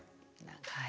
はい。